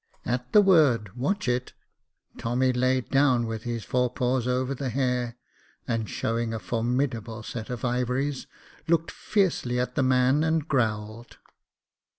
" At the word " watch it," Tommy lay down with his fore paws over the hare, and showing a formidable set of ivories, looked fiercely at the man, and growled.